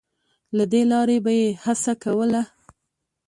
له دې لارې به یې هڅه کوله